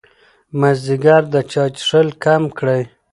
مازدیګر د چای څښل کم کړئ.